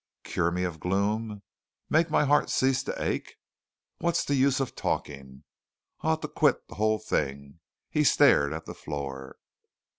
"Cure me of gloom? Make my heart cease to ache? What's the use of talking? I ought to quit the whole thing." He stared at the floor.